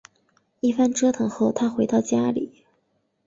一番折腾后她回到家里